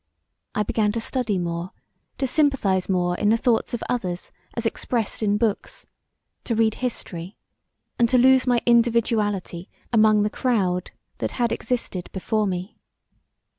I began to study more; to sympathize more in the thoughts of others as expressed in books; to read history, and to lose my individuallity among the crowd that had existed before me.